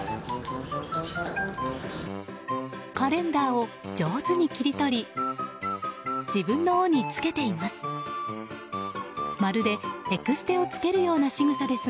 カレンダーを上手に切り取り自分の尾につけています。